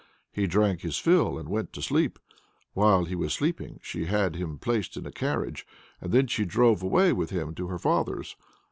He drank his fill and went to sleep. While he was sleeping she had him placed in a carriage, and then she drove away with him to her father's.